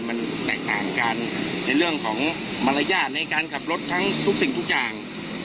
มันแตกต่างกันในเรื่องของมารยาทในการขับรถทั้งทุกสิ่งทุกอย่าง